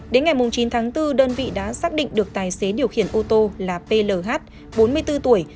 đến ngày chín tháng bốn đơn vị đã xác định được tài xế điều khiển ô tô là plh bốn mươi bốn tuổi